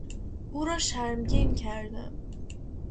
او را شرمگین کردم.